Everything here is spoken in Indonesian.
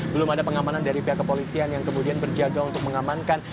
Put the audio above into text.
belum ada pengamanan dari pihak kepolisian yang kemudian berjaga untuk mengamankan